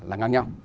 là ngang nhau